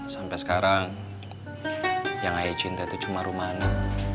sampai sekarang yang ayah cinta itu cuma rumana